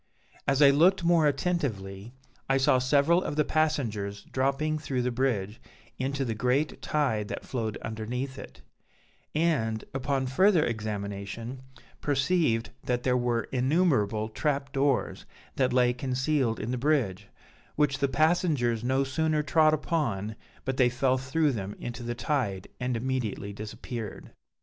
As I looked more attentively, I saw several of the passengers dropping through the bridge, into the great tide that flowed underneath it; and, upon further examination, perceived that there were innumerable trap doors that lay concealed in the bridge, which the passengers no sooner trod upon, but they fell through them into the tide and immediately disappeared.